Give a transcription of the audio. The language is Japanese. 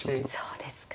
そうですか。